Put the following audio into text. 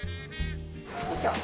よいしょ